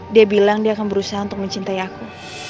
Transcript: dia bilang dia akan berusaha untuk mencintai aku